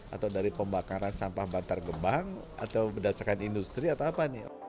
atau dari pembakaran sampah bantar gebang atau berdasarkan industri atau apa nih